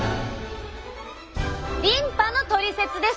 リンパのトリセツです！